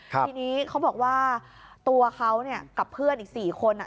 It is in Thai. ทีนี้เขาบอกว่าตัวเขาเนี่ยกับเพื่อนอีก๔คน